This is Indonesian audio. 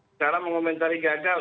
sekarang mengomentari gagal